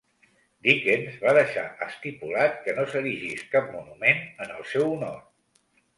Dickens va deixar estipulat que no s'erigís cap monument en el seu honor.